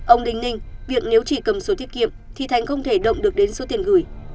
ông đình ninh việc nếu chỉ cầm số thiết kiệm thì thành không thể động được đến số tiền gửi